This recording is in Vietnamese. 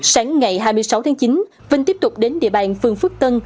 sáng ngày hai mươi sáu tháng chín vinh tiếp tục đến địa bàn phường phước tân